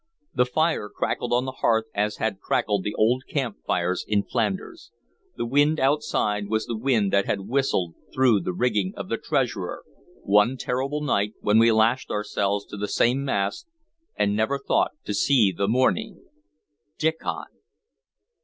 The fire crackled on the hearth as had crackled the old camp fires in Flanders; the wind outside was the wind that had whistled through the rigging of the Treasurer, one terrible night when we lashed ourselves to the same mast and never thought to see the morning. Diccon!